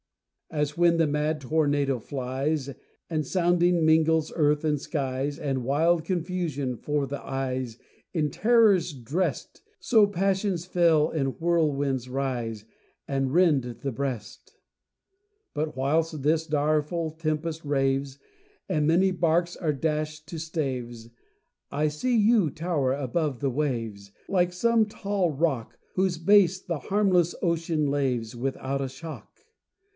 As when the mad tornado flies, And sounding mingles earth and skies, And wild confusion 'fore the eyes In terrors dressed. So passions fell in whirlwinds rise, And rend the breast! But whilst this direful tempest raves, And many barks are dashed to staves, I see you tower above the waves Like some tall rock, Whose base the harmless ocean laves Without a shock!